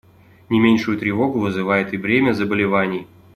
Не меньшую тревогу вызывает и бремя заболеваний.